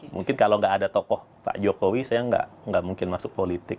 mungkin kalau nggak ada tokoh pak jokowi saya nggak mungkin masuk politik